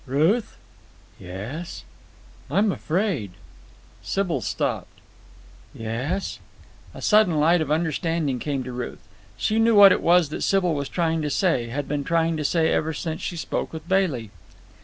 "Ruth." "Yes?" "I'm afraid—" Sybil stopped. "Yes?" A sudden light of understanding came to Ruth. She knew what it was that Sybil was trying to say, had been trying to say ever since she spoke with Bailey.